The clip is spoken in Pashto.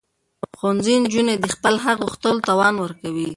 ښوونځي نجونې د خپل حق غوښتلو توان ورکوي.